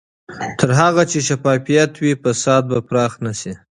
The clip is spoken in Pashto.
تر هغه چې شفافیت وي، فساد به پراخ نه شي.